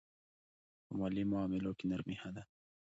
په مالي معاملو کې نرمي ښه ده.